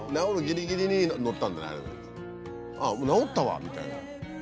「あっ治ったわ」みたいな。